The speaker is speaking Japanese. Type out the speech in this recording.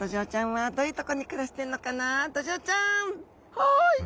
「はい」。